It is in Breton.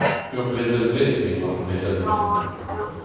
Ur brezel-bed eo ar brezel-mañ.